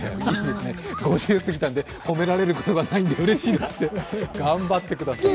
５０すぎたので、褒められることがないのでうれしいって、頑張ってくださいよ。